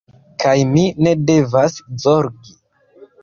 Kaj mi ne devas zorgi.